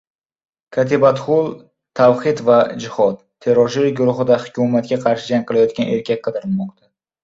«Katibatul Tavxid val Jixod» terrorchilik guruhida hukumatga qarshi jang qilayotgan erkak qidirilmoqda